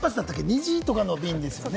２時とかの便ですよね？